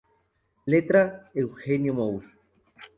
Letra: Eugenio Moure.